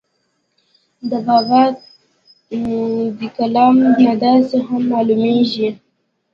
د بابا دَکلام نه داسې هم معلوميږي